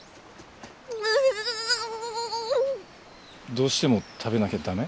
どうしても食べなきゃ駄目？